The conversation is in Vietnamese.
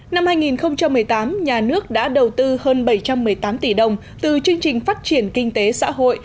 năm hai nghìn một mươi tám nhà nước đã đầu tư hơn bảy trăm một mươi tám tỷ đồng từ chương trình phát triển kinh tế xã hội